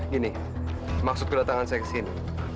gini maksud kedatangan saya kesini